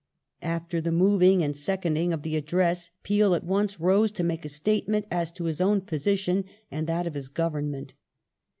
After the moving and seconding of the Address Peel at once rose to make a statement as to his own position and that of his Government.